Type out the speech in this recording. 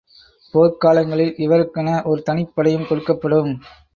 போர்க் காலங்களில் இவருக்கென ஒருதனிப் படையும் கொடுக்கப்படும்.